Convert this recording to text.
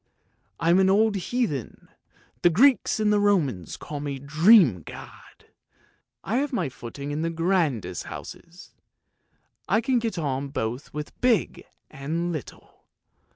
I am an old heathen ; the Greeks and Romans call me the Dream god ! I have my footing in the grandest houses; I can get on both with big and little!